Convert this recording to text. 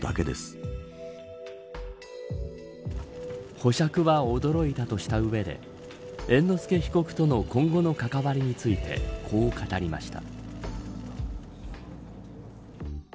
保釈は驚いた、とした上で猿之助被告との今後の関わりについてこう語りました。